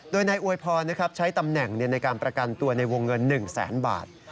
โดยนายอวยพรใช้ตำแหน่งในการประกันตัวในวงเงิน๑แสนบาท